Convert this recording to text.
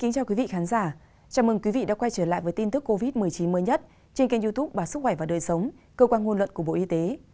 chào mừng quý vị đã quay trở lại với tin tức covid một mươi chín mới nhất trên kênh youtube bà sức khỏe và đời sống cơ quan nguồn luận của bộ y tế